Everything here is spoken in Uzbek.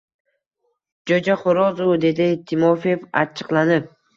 Joʻjaxoʻroz u! – dedi Timofeev achchiqlanib.